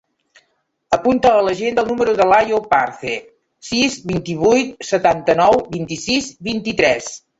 Apunta a l'agenda el número de l'Àyoub Arce: sis, vint-i-vuit, setanta-nou, vint-i-sis, vint-i-tres.